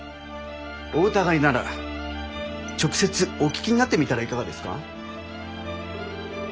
お疑いなら直接お聞きになってみたらいかがですか？